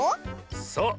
そう。